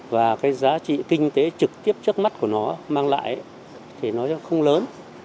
và cái giá trị kinh tế trực tiếp trước mắt của nó mang lại thì nó sẽ không lớn